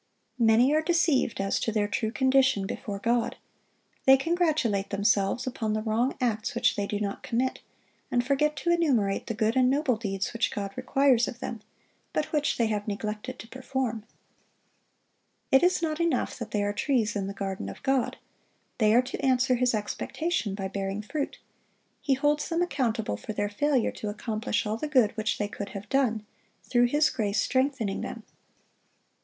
Many are deceived as to their true condition before God. They congratulate themselves upon the wrong acts which they do not commit, and forget to enumerate the good and noble deeds which God requires of them, but which they have neglected to perform. It is not enough that they are trees in the garden of God. They are to answer His expectation by bearing fruit. He holds them accountable for their failure to accomplish all the good which they could have done, through His grace strengthening them.